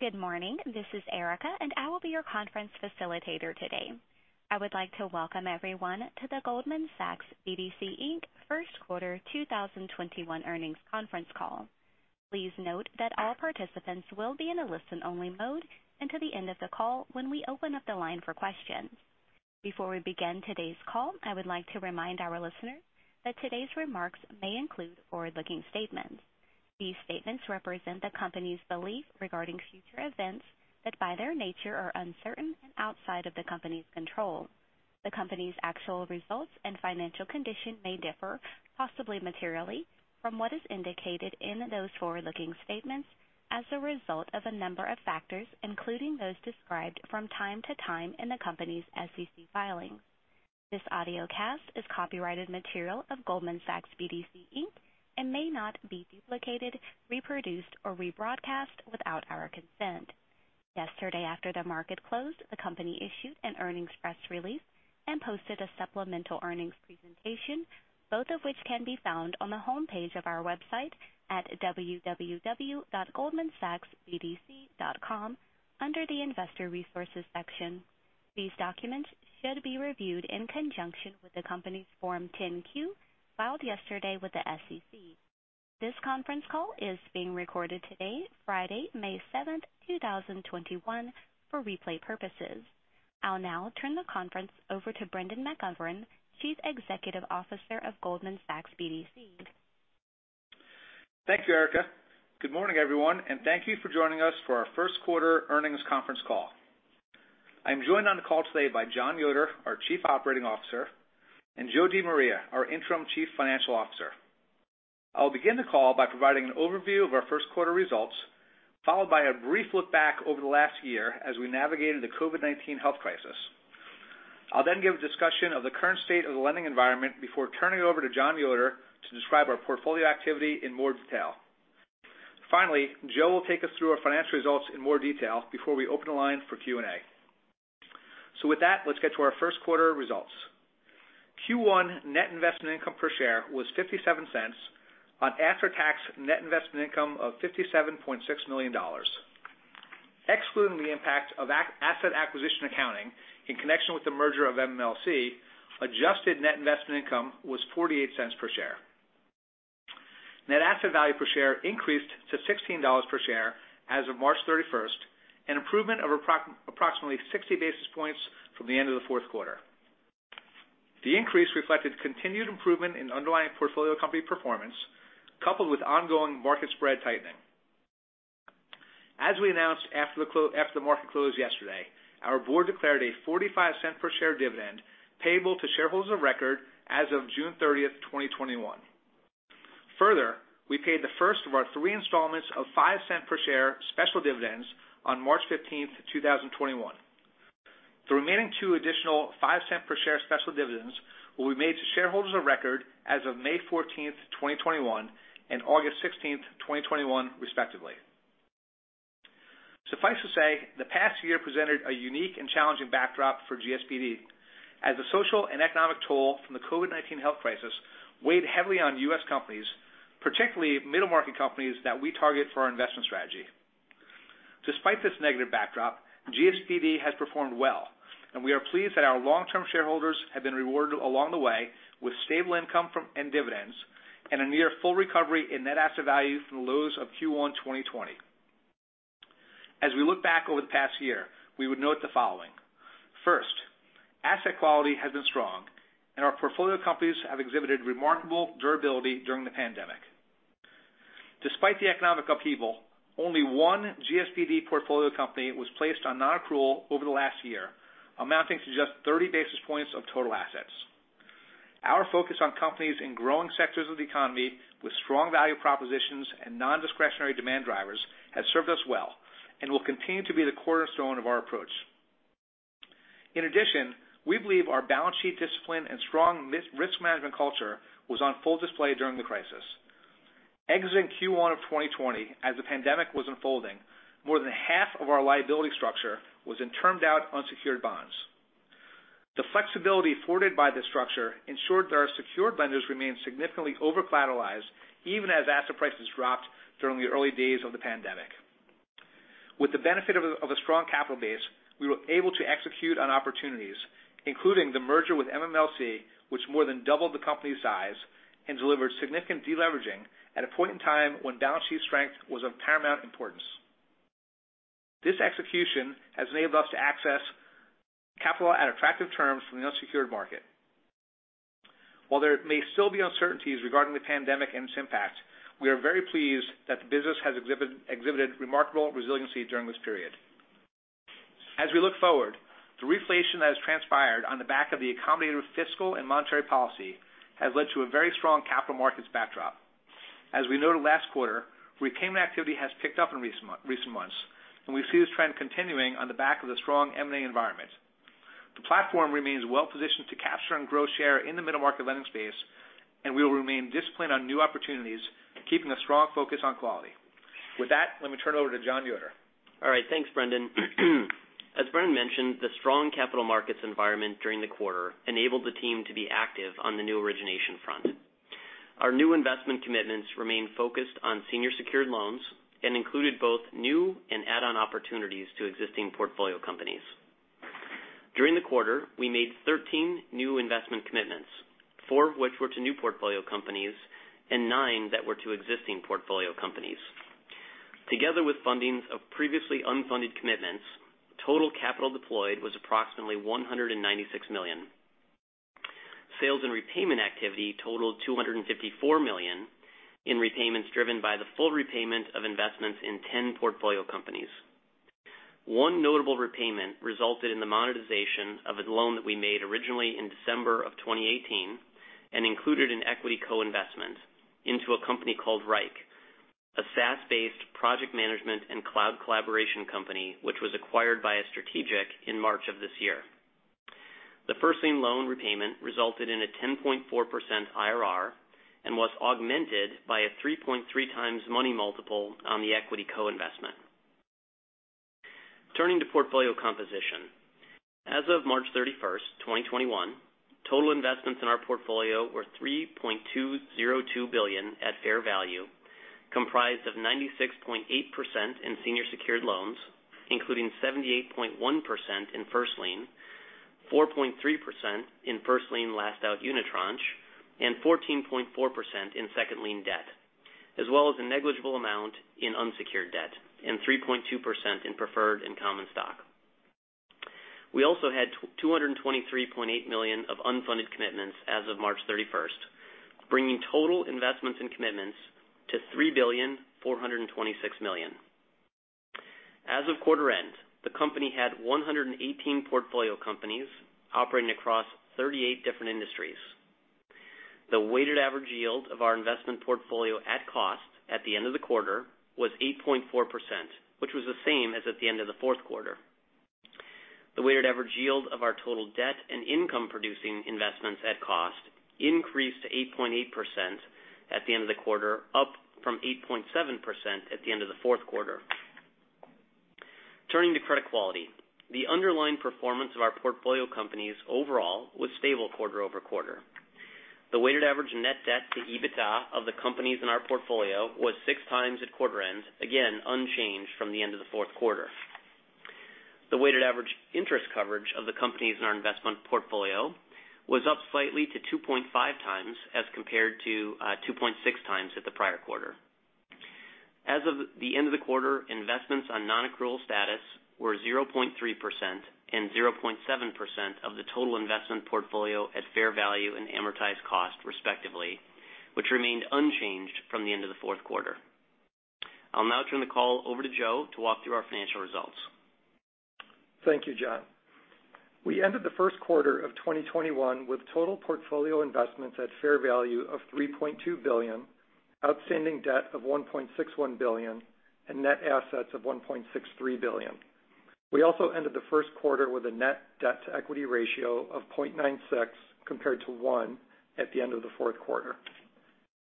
Good morning. This is Erica, and I will be your conference facilitator today. I would like to welcome everyone to the Goldman Sachs BDC, Inc First Quarter 2021 Earnings Conference Call. Please note that all participants will be in a listen-only mode until the end of the call when we open up the line for questions. Before we begin today's call, I would like to remind our listeners that today's remarks may include forward-looking statements. These statements represent the company's belief regarding future events that, by their nature, are uncertain and outside of the company's control. The company's actual results and financial condition may differ, possibly materially, from what is indicated in those forward-looking statements as a result of a number of factors, including those described from time to time in the company's SEC filings. This audio cast is copyrighted material of Goldman Sachs BDC, Inc and may not be duplicated, reproduced, or rebroadcast without our consent. Yesterday, after the market closed, the company issued an earnings press release and posted a supplemental earnings presentation, both of which can be found on the homepage of our website at www.goldmansachsbdc.com under the Investor Resources section. These documents should be reviewed in conjunction with the company's Form 10-Q filed yesterday with the SEC. This conference call is being recorded today, Friday, May 7th, 2021, for replay purposes. I'll now turn the conference over to Brendan McGovern, Chief Executive Officer of Goldman Sachs BDC. Thank you, Erica. Good morning, everyone, and thank you for joining us for our first quarter earnings conference call. I'm joined on the call today by Joh Yoder, our Chief Operating Officer, and Joe DiMaria, our Interim Chief Financial Officer. I'll begin the call by providing an overview of our first quarter results, followed by a brief look back over the last year as we navigated the COVID-19 health crisis. I'll then give a discussion of the current state of the lending environment before turning it over to Joh Yoder to describe our portfolio activity in more detail. Finally, Joe will take us through our financial results in more detail before we open the line for Q&A. With that, let's get to our first quarter results. Q1 net investment income per share was $0.57 on after-tax net investment income of $57.6 million. Excluding the impact of asset acquisition accounting in connection with the merger of MMLC, adjusted net investment income was $0.48 per share. Net asset value per share increased to $16 per share as of March 31, 2021, an improvement of approximately 60 basis points from the end of the fourth quarter. The increase reflected continued improvement in underlying portfolio company performance, coupled with ongoing market spread tightening. As we announced after the market closed yesterday, our Board declared a $0.45 per share dividend payable to shareholders of record as of June 30th, 2021. Further, we paid the first of our three installments of $0.05 per share special dividends on March 15th, 2021. The remaining two additional $0.05 per share special dividends will be made to shareholders of record as of May 14th, 2021, and August 16th, 2021, respectively. Suffice to say, the past year presented a unique and challenging backdrop for GSBD as the social and economic toll from the COVID-19 health crisis weighed heavily on U.S. companies, particularly middle-market companies that we target for our investment strategy. Despite this negative backdrop, GSBD has performed well, and we are pleased that our long-term shareholders have been rewarded along the way with stable income and dividends and a near full recovery in net asset value from the lows of Q1 2020. As we look back over the past year, we would note the following. First, asset quality has been strong, and our portfolio companies have exhibited remarkable durability during the pandemic. Despite the economic upheaval, only one GSBD portfolio company was placed on non-accrual over the last year, amounting to just 30 basis points of total assets. Our focus on companies in growing sectors of the economy with strong value propositions and non-discretionary demand drivers has served us well and will continue to be the cornerstone of our approach. In addition, we believe our balance sheet discipline and strong risk management culture was on full display during the crisis. Exiting Q1 of 2020, as the pandemic was unfolding, more than half of our liability structure was in term-down unsecured bonds. The flexibility afforded by this structure ensured that our secured lenders remained significantly over-collateralized even as asset prices dropped during the early days of the pandemic. With the benefit of a strong capital base, we were able to execute on opportunities, including the merger with MMLC, which more than doubled the company's size and delivered significant deleveraging at a point in time when balance sheet strength was of paramount importance. This execution has enabled us to access capital at attractive terms from the unsecured market. While there may still be uncertainties regarding the pandemic and its impact, we are very pleased that the business has exhibited remarkable resiliency during this period. As we look forward, the reflation that has transpired on the back of the accommodative fiscal and monetary policy has led to a very strong capital markets backdrop. As we noted last quarter, recruitment activity has picked up in recent months, and we see this trend continuing on the back of the strong M&A environment. The platform remains well-positioned to capture and grow share in the middle-market lending space, and we will remain disciplined on new opportunities, keeping a strong focus on quality. With that, let me turn it over to Joh Yoder. All right. Thanks, Brendan. As Brendan mentioned, the strong capital markets environment during the quarter enabled the team to be active on the new origination front. Our new investment commitments remained focused on senior secured loans and included both new and add-on opportunities to existing portfolio companies. During the quarter, we made 13 new investment commitments, four of which were to new portfolio companies and nine that were to existing portfolio companies. Together with fundings of previously unfunded commitments, total capital deployed was approximately $196 million. Sales and repayment activity totaled $254 million in repayments driven by the full repayment of investments in 10 portfolio companies. One notable repayment resulted in the monetization of a loan that we made originally in December of 2018 and included an equity co-investment into a company called Wrike, a SaaS-based project management and cloud collaboration company which was acquired by a strategic in March of this year. The first lien loan repayment resulted in a 10.4% IRR and was augmented by a 3.3x money multiple on the equity co-investment. Turning to portfolio composition, as of March 31st, 2021, total investments in our portfolio were $3.202 billion at fair value, comprised of 96.8% in senior secured loans, including 78.1% in first lien, 4.3% in first lien/last-out unitranche, and 14.4% in second lien debt, as well as a negligible amount in unsecured debt and 3.2% in preferred and common stock. We also had $223.8 million of unfunded commitments as of March 31st, bringing total investments and commitments to $3.426 billion. As of quarter end, the company had 118 portfolio companies operating across 38 different industries. The weighted average yield of our investment portfolio at cost at the end of the quarter was 8.4%, which was the same as at the end of the fourth quarter. The weighted average yield of our total debt and income-producing investments at cost increased to 8.8% at the end of the quarter, up from 8.7% at the end of the fourth quarter. Turning to credit quality, the underlying performance of our portfolio companies overall was stable quarter over quarter. The weighted average net debt to EBITDA of the companies in our portfolio was 6x at quarter end, again unchanged from the end of the fourth quarter. The weighted average interest coverage of the companies in our investment portfolio was up slightly to 2.5x as compared to 2.6x at the prior quarter. As of the end of the quarter, investments on non-accrual status were 0.3% and 0.7% of the total investment portfolio at fair value and amortized cost, respectively, which remained unchanged from the end of the fourth quarter. I'll now turn the call over to Joe to walk through our financial results. Thank you, Jon. We ended the first quarter of 2021 with total portfolio investments at fair value of $3.2 billion, outstanding debt of $1.61 billion, and net assets of $1.63 billion. We also ended the first quarter with a net debt to equity ratio of 0.96 compared to 1 at the end of the fourth quarter.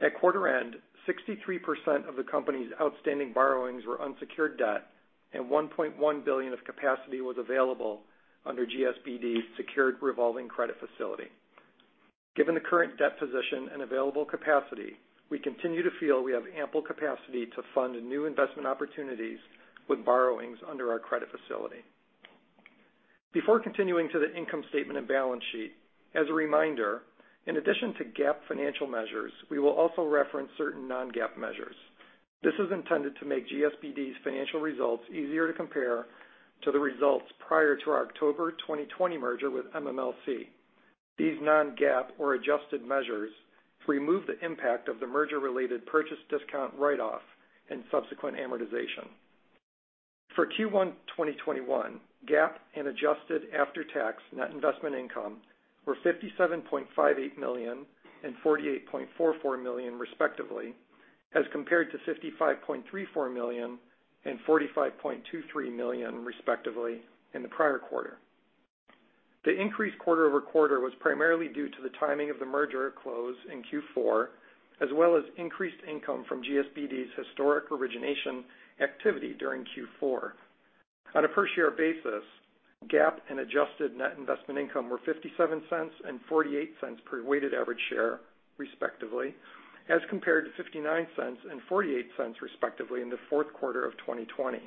At quarter end, 63% of the company's outstanding borrowings were unsecured debt, and $1.1 billion of capacity was available under GSBD Secured Revolving Credit Facility. Given the current debt position and available capacity, we continue to feel we have ample capacity to fund new investment opportunities with borrowings under our credit facility. Before continuing to the income statement and balance sheet, as a reminder, in addition to GAAP financial measures, we will also reference certain non-GAAP measures. This is intended to make GSBD's financial results easier to compare to the results prior to our October 2020 merger with MMLC. These non-GAAP or adjusted measures remove the impact of the merger-related purchase discount write-off and subsequent amortization. For Q1 2021, GAAP and adjusted after-tax net investment income were $57.58 million and $48.44 million, respectively, as compared to $55.34 million and $45.23 million, respectively, in the prior quarter. The increase quarter-over-quarter was primarily due to the timing of the merger close in Q4, as well as increased income from GSBD's historic origination activity during Q4. On a per-share basis, GAAP and adjusted net investment income were $0.57 and $0.48 per weighted average share, respectively, as compared to $0.59 and $0.48, respectively, in the fourth quarter of 2020.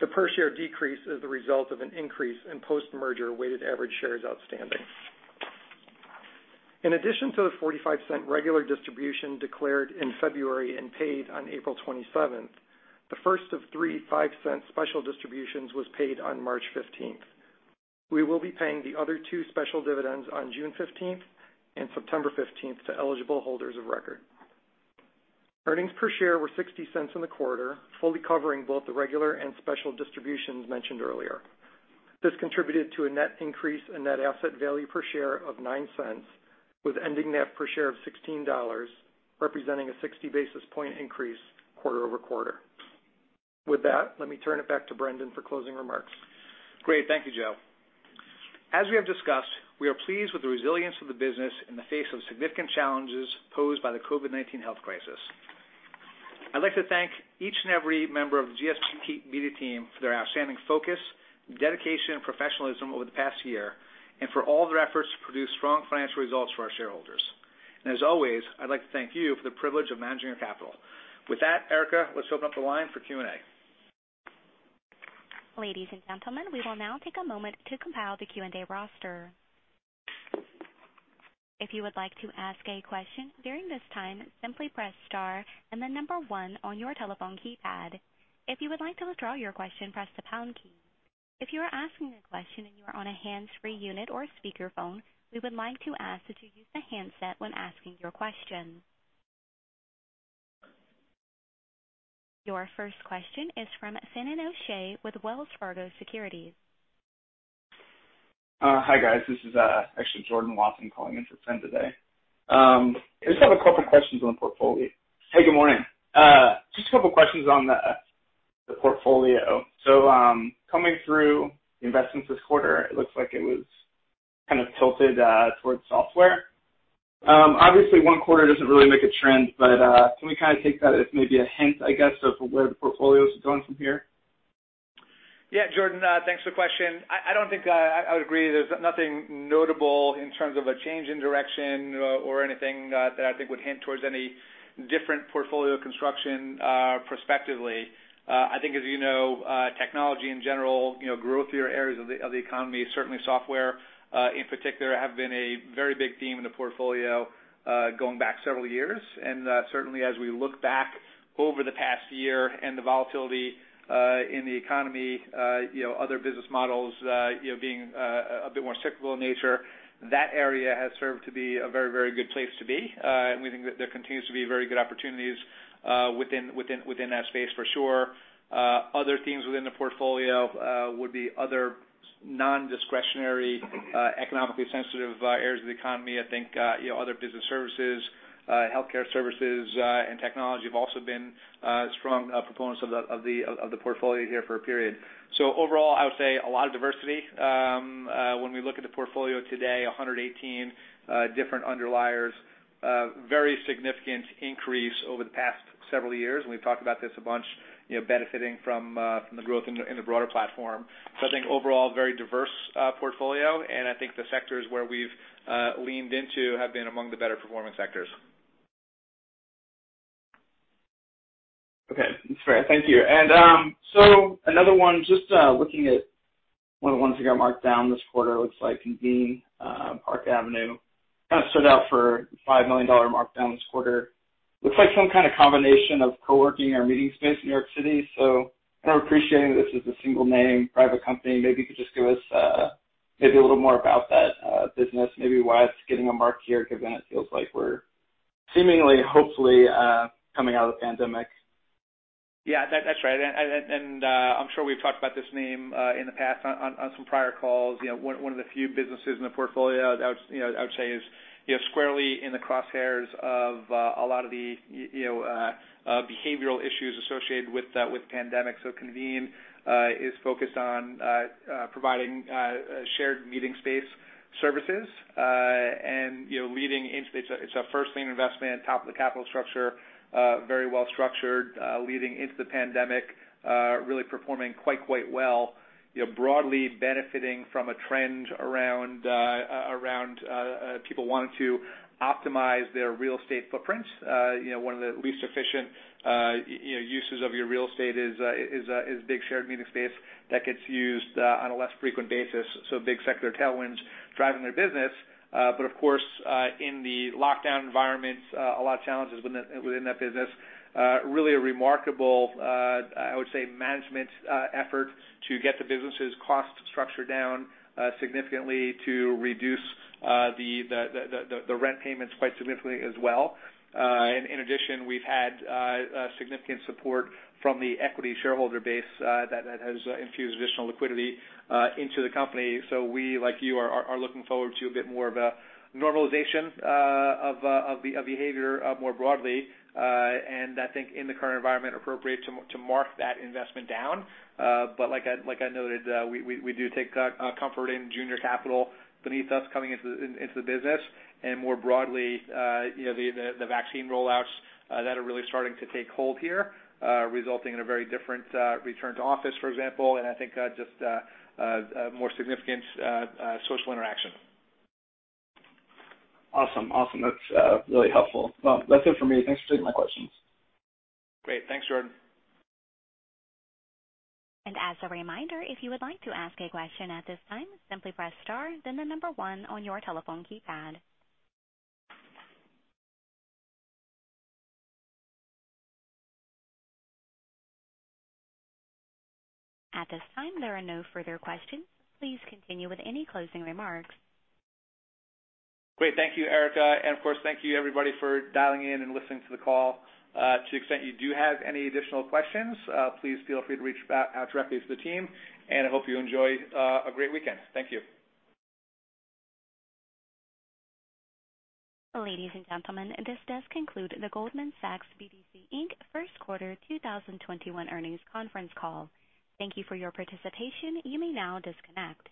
The per-share decrease is the result of an increase in post-merger weighted average shares outstanding. In addition to the $0.45 regular distribution declared in February and paid on April 27th, the first of three $0.05 special distributions was paid on March 15th. We will be paying the other two special dividends on June 15th and September 15th to eligible holders of record. Earnings per share were $0.60 in the quarter, fully covering both the regular and special distributions mentioned earlier. This contributed to a net increase in net asset value per share of $0.09, with ending net per share of $16 representing a 60 basis point increase quarter over quarter. With that, let me turn it back to Brendan for closing remarks. Great. Thank you, Joe. As we have discussed, we are pleased with the resilience of the business in the face of significant challenges posed by the COVID-19 health crisis. I'd like to thank each and every member of the GSBD team for their outstanding focus, dedication, and professionalism over the past year, and for all their efforts to produce strong financial results for our shareholders. I would like to thank you for the privilege of managing your capital. With that, Erica, let's open up the line for Q&A. Ladies and gentlemen, we will now take a moment to compile the Q&A roster. If you would like to ask a question during this time, simply press star and then number one on your telephone keypad. If you would like to withdraw your question, press the pound key. If you are asking a question and you are on a hands-free unit or speakerphone, we would like to ask that you use the handset when asking your question. Your first question is from Finian O’Shea with Wells Fargo Securities. Hi, guys. This is actually Jordan Wathen calling in from Fin today. I just have a couple of questions on the portfolio. Hey, good morning. Just a couple of questions on the portfolio. Coming through investments this quarter, it looks like it was kind of tilted towards software. Obviously, one quarter doesn't really make a trend, but can we kind of take that as maybe a hint, I guess, of where the portfolio is going from here? Yeah, Jordan, thanks for the question. I don't think I would agree. There's nothing notable in terms of a change in direction or anything that I think would hint towards any different portfolio construction prospectively. I think, as you know, technology in general, growth of your areas of the economy, certainly software in particular, have been a very big theme in the portfolio going back several years. Certainly, as we look back over the past year and the volatility in the economy, other business models being a bit more cyclical in nature, that area has served to be a very, very good place to be. We think that there continues to be very good opportunities within that space, for sure. Other themes within the portfolio would be other non-discretionary economically sensitive areas of the economy. I think other business services, healthcare services, and technology have also been strong proponents of the portfolio here for a period. Overall, I would say a lot of diversity. When we look at the portfolio today, 118 different underliers, very significant increase over the past several years. We have talked about this a bunch, benefiting from the growth in the broader platform. I think overall, very diverse portfolio. I think the sectors where we have leaned into have been among the better-performing sectors. Okay. That's great. Thank you. Another one, just looking at one of the ones we got marked down this quarter, it looks like Convene Park Avenue kind of stood out for the $5 million markdown this quarter. Looks like some kind of combination of coworking or meeting space in New York City. I'm appreciating this as a single-name private company. Maybe you could just give us maybe a little more about that business, maybe why it's getting a mark here, given it feels like we're seemingly, hopefully, coming out of the pandemic. Yeah, that's right. I'm sure we've talked about this name in the past on some prior calls. One of the few businesses in the portfolio that I would say is squarely in the crosshairs of a lot of the behavioral issues associated with the pandemic. Convene is focused on providing shared meeting space services and leading into it, it's a first lien investment, top of the capital structure, very well-structured, leading into the pandemic, really performing quite, quite well, broadly benefiting from a trend around people wanting to optimize their real estate footprints. One of the least efficient uses of your real estate is big shared meeting space that gets used on a less frequent basis. Big sector tailwinds driving their business. Of course, in the lockdown environment, a lot of challenges within that business. Really a remarkable, I would say, management effort to get the business's cost structure down significantly to reduce the rent payments quite significantly as well. In addition, we've had significant support from the equity shareholder base that has infused additional liquidity into the company. We, like you, are looking forward to a bit more of a normalization of behavior more broadly. I think in the current environment, appropriate to mark that investment down. Like I noted, we do take comfort in junior capital beneath us coming into the business. More broadly, the vaccine rollouts that are really starting to take hold here, resulting in a very different return to office, for example. I think just more significant social interaction. Awesome. Awesome. That's really helpful. That's it for me. Thanks for taking my questions. Great. Thanks, Jordan. And as a reminder, if you would like to ask a question at this time, simply press star then the number one on your telephone keypad. At this time, there are no further questions. Please continue with any closing remarks. Great. Thank you, Erica. And of course, thank you everybody, for dialing in and listening to the call. To the extent you do have any additional questions, please feel free to reach out directly to the team. I hope you enjoy a great weekend. Thank you. Ladies and gentlemen, this does conclude the Goldman Sachs BDC, Inc first quarter 2021 earnings conference call. Thank you for your participation. You may now disconnect.